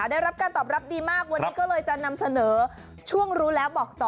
ได้รับการตอบรับดีมากวันนี้ก็เลยจะนำเสนอช่วงรู้แล้วบอกต่อ